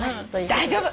大丈夫！